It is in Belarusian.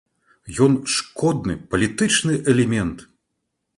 Ён шкодны палітычны элемент!